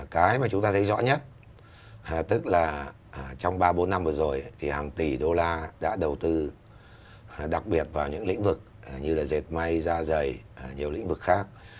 cái mà chúng ta thấy rõ nhất tức là trong ba bốn năm vừa rồi thì hàng tỷ đô la đã đầu tư đặc biệt vào những lĩnh vực như là dệt may da dày nhiều lĩnh vực khác